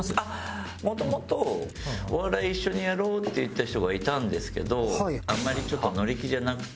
もともとお笑い一緒にやろうって言った人がいたんですけどあんまりちょっと乗り気じゃなくて。